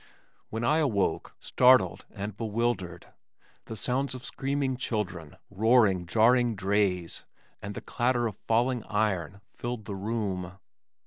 When I awoke, startled and bewildered, the sounds of screaming children, roaring, jarring drays, and the clatter of falling iron filled the room.